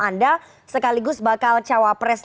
anda sekaligus bakal cawapres